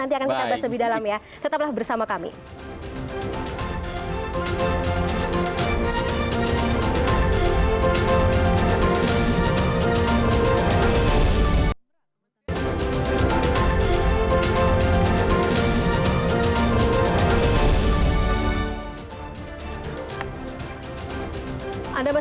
adil dan beradab